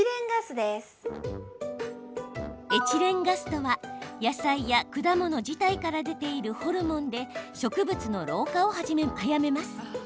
エチレンガスとは野菜や果物自体から出ているホルモンで植物の老化を早めます。